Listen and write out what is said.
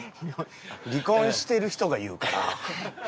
離婚してる人が言うかな？